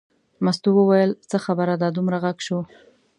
مستو وویل څه خبره ده دومره غږ شو.